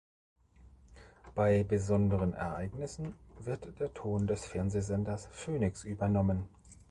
Bei besonderen Ereignissen wird der Ton des Fernsehsenders Phoenix übernommen.